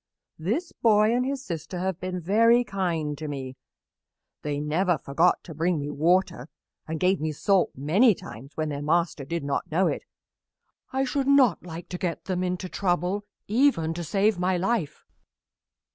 This boy and his sister have been very kind to me. They never forgot to bring me water and gave me salt many times when their master did not know it. I should not like to get them into trouble, even to save my life."